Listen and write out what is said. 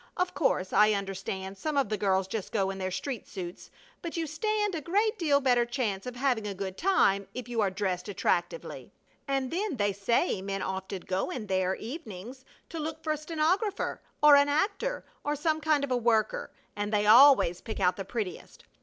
Of course I understand some of the girls just go in their street suits, but you stand a great deal better chance of having a good time if you are dressed attractively. And then they say men often go in there evenings to look for a stenographer, or an actor, or some kind of a worker, and they always pick out the prettiest.